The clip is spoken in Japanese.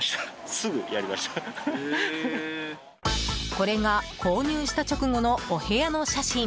これが、購入した直後のお部屋の写真。